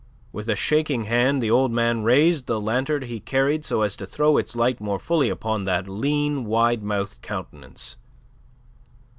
With a shaking hand the old man raised the lantern he carried so as to throw its light more fully upon that lean, wide mouthed countenance.